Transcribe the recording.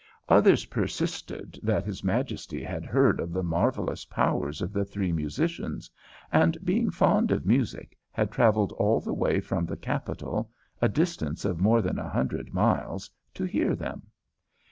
Others persisted that his Majesty had heard of the marvellous powers of the three musicians, and, being fond of music, had travelled all the way from the capital, a distance of more than a hundred miles, to hear them.